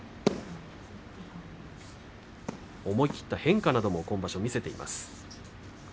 思い切った変化なども今場所見せています。